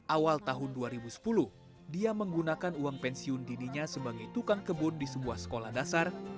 awal tahun dua ribu sepuluh dia menggunakan uang pensiun dininya sebagai tukang kebun di sebuah sekolah dasar